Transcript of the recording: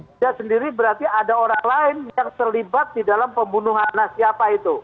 tidak sendiri berarti ada orang lain yang terlibat di dalam pembunuhan siapa itu